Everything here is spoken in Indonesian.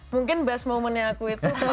mungkin best momentnya aku itu